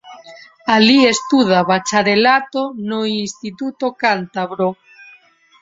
Alí estuda bacharelato no Instituto Cántabro.